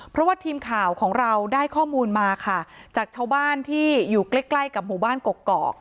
เพราะว่าทีมข่าวของเราได้ข้อมูลมาค่ะจากชาวบ้านที่อยู่ใกล้ใกล้กับหมู่บ้านกกอก